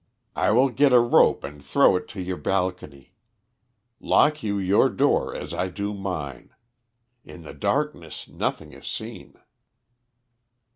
I will get a rope and throw it to your balcony. Lock you your door as I do mine. In the darkness nothing is seen."